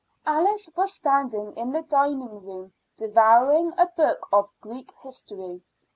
Alice was standing in the dining room devouring a book of Greek history.